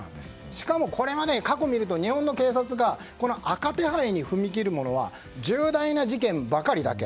しかもこれまで過去を見ると日本の警察が赤手配に踏み切るのは重大な事件ばかりだけ。